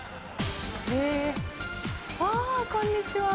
あこんにちは。